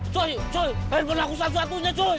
cuy cuy handphone aku satu satunya cuy